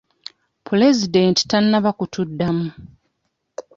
Pulezidenti tanaba kutuddamu.